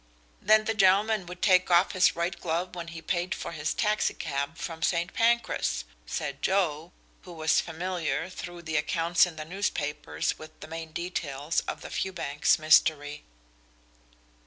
"Then the gentleman would take off his right glove when he paid for his taxi cab from St. Pancras," said Joe, who was familiar through the accounts in the newspapers with the main details of the Fewbanks mystery.